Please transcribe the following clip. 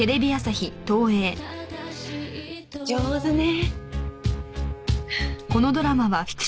上手ね。